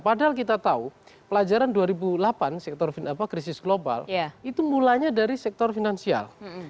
padahal kita tahu pelajaran dua ribu delapan sektor krisis global itu mulanya dari sektor finansial